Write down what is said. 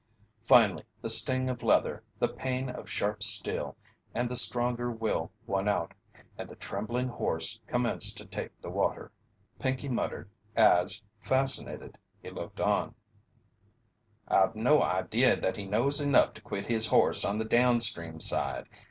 Finally the sting of leather, the pain of sharp steel, and the stronger will won out, and the trembling horse commenced to take the water. Pinkey muttered, as, fascinated, he looked on: "I've no idea that he knows enough to quit his horse on the down stream side.